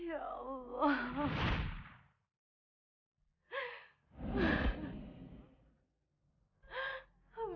dua hari lagi